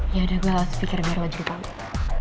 ya udah gue langsung pikir biar lo jatuh panggung